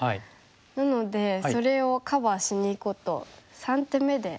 なのでそれをカバーしにいこうと３手目で。